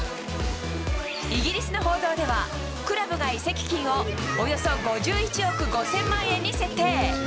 イギリスの報道では、クラブが移籍金をおよそ５１億５０００万円に設定。